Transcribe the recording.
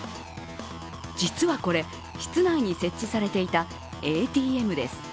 実はこれ室内に設置されていたＡＴＭです。